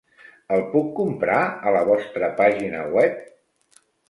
El puc comprar a la vostra pàgina web?